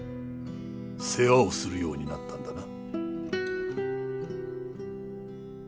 世話をするようになったんだな？